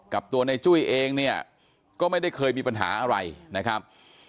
กับตัวในจุ้ยเองเนี่ยก็ไม่ได้เคยมีปัญหาอะไรนะครับ